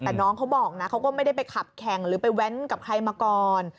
แต่น้องเขาบอกนะเขาก็ไม่ได้ไปขับแข่งหรือไปแว้นกับใครมาก่อน